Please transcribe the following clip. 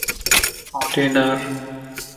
ھوڏي نارَ